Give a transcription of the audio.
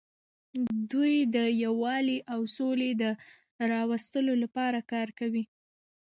دوی د یووالي او سولې د راوستلو لپاره کار کوي.